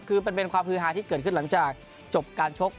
คือมันเป็นความฮือฮาที่เกิดขึ้นหลังจากจบการชก